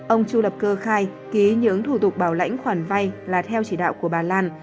ông chu lập cơ khai ký những thủ tục bảo lãnh khoản vay là theo chỉ đạo của bà lan